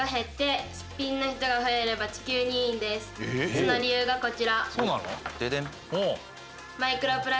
その理由がこちら。